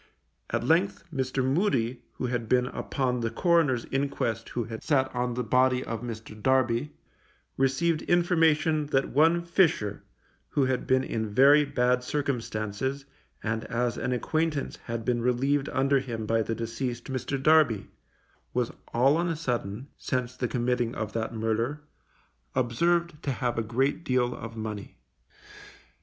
At length, Mr. Moody, who had been upon the coroner's inquest who had sat on the body of Mr. Darby, received information that one Fisher, who had been in very bad circumstances, and as an acquaintance had been relieved under him by the deceased Mr. Darby, was all on a sudden, since the committing of that murder, observed to have a great deal of money.